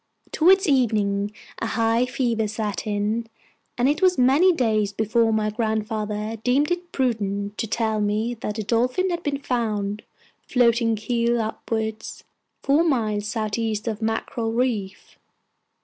Towards evening a high fever set in, and it was many days before my grandfather deemed it prudent to tell me that the Dolphin had been found, floating keel upwards, four miles southeast of Mackerel Reef.